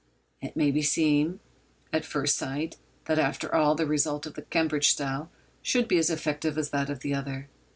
It may seem, at first sight, that, after all, the result of the Cambridge style should be as effective as that of the other.